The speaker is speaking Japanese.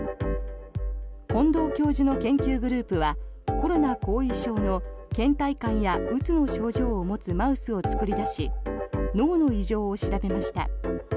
近藤教授の研究グループはコロナ後遺症のけん怠感やうつの症状を持つマウスを作り出し脳の異常を調べました。